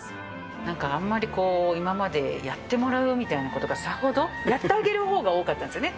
なんか、あんまこう、今までやってもらうみたいなことがさほど、やってあげるほうが多かったんですよね。